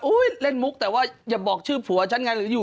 อุ๊ยเล่นมุกแต่ว่าอย่าบอกชื่อผัวฉันไง